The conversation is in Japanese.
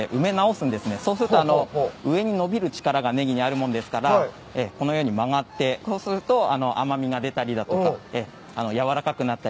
そうすると上に伸びる力がネギにあるもんですからこのように曲がってそうすると甘味が出たりだとか軟らかくなったりしますので。